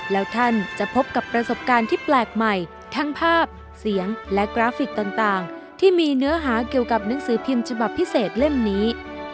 แล้วท่านจะพบกับประสบการณ์ที่แปลกใหม่ทั้งภาพเสียงและกราฟิกต่างที่มีเนื้อหาเกี่ยวกับหนังสือพิมพ์ฉบับพิเศษเล่มนี้